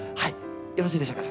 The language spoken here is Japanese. よろしいでしょうか？